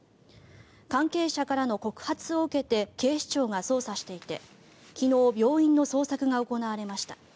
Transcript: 関係者からの告発を受けて警視庁が捜査していて昨日、病院の捜索が行われました。